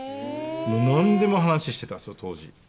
もうなんでも話してたんですよ、当時。